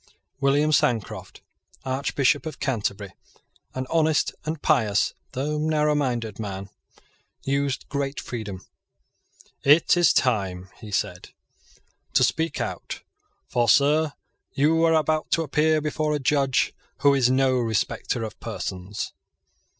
William Sancroft, Archbishop of Canterbury, an honest and pious, though narrowminded, man, used great freedom. "It is time," he said, "to speak out; for, Sir, you are about to appear before a Judge who is no respecter of persons."